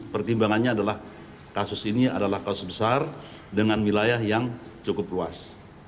pertimbangannya adalah kasus ini adalah kasus besar dengan wilayah yang cukup luas